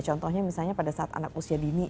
contohnya misalnya pada saat anak usia dini